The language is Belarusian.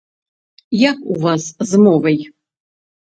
Як у вас з мовай?